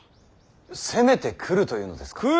攻めてくるというのですか。